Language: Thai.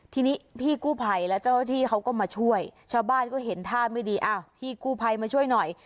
ทีนี้พี่กู้ภัยและเจ้าหน้าที่เขาก็มาช่วยชาวบ้านก็เห็นท่าไม่ดีอ้าวพี่กู้ภัยมาช่วยหน่อย